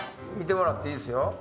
見てもらっていいですよ。